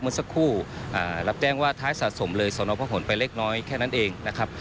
เมื่อสักครู่รับแจ้งว่าท้ายสะสมเลยสนพระขนไปเล็กน้อยแค่นั้นเองนะครับ